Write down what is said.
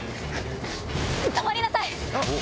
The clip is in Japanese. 止まりなさい！